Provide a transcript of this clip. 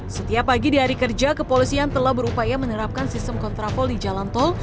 setiap pagi di hari kerja kepolisian telah berupaya menerapkan sistem kontraflow di jalan tol